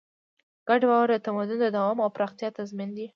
ګډ باور د تمدن د دوام او پراختیا تضمین دی.